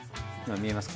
見えますか？